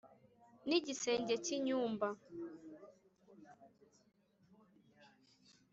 n’igisenge cy’inyumba